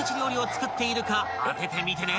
［当ててみてね］